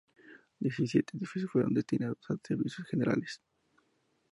Diecisiete edificios fueron destinados a servicios generales.